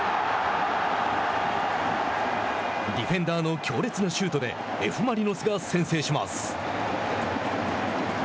ディフェンダーの強烈なシュートでＦ・マリノスが先制します。